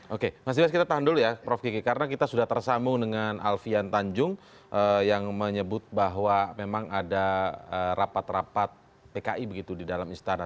oke mas ibas kita tahan dulu ya prof kiki karena kita sudah tersambung dengan alfian tanjung yang menyebut bahwa memang ada rapat rapat pki begitu di dalam istana